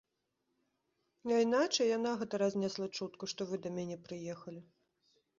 Няйначай, яна гэта разнесла чутку, што вы да мяне прыехалі.